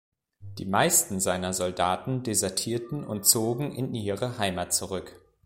Die meisten seiner Soldaten desertierten und zogen in ihre Heimat zurück.